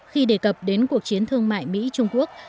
khi đề cập đến cuộc chiến thương mại mỹ trung quốc